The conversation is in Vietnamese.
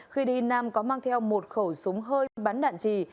khi đi nam có mang theo một khẩu súng hơi bắn đạn trì